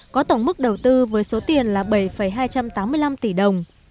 có tổng mức đầu tư với số tiền là bảy hai trăm tám mươi năm tỷ đồng